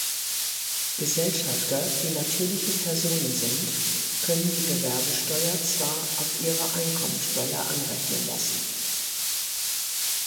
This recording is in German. Gesellschafter, die natürliche Personen sind, können die Gewerbesteuer zwar auf ihre Einkommensteuer anrechnen lassen.